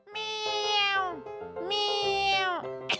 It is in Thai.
เมียวเมียว